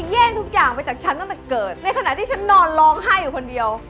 แย่งทุกอย่างไปจากฉันตั้งแต่เกิดในขณะที่ฉันนอนร้องไห้อยู่คนเดียว